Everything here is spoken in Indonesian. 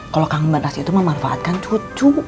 kalau kang batas itu memanfaatkan cucu